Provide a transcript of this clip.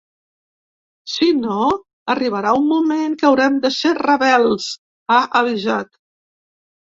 “Si no, arribarà un moment que haurem de ser rebels”, ha avisat.